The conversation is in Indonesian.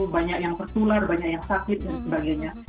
banyak yang tertular banyak yang sakit dan sebagainya